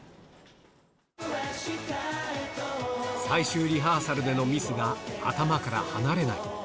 最終リハーサルでのミスが頭から離れない